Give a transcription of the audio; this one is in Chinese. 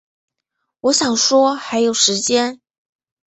我想说还有时间